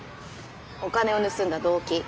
お金を盗んだ動機。